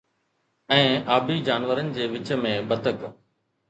۽ آبي جانورن جي وچ ۾ بتڪ